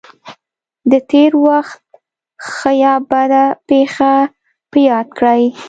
د تېر وخت ښه یا بده پېښه په یاد کړئ.